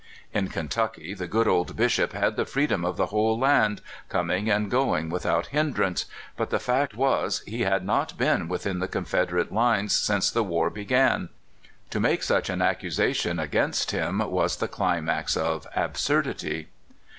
In Kentucky the good old Bishop had the freedom of the whole land, coming and going without hindrance ; but the fact was, he had not been within the Confederate lines since the war begfan. To make such an ac cusation against him was the climax of absurdity.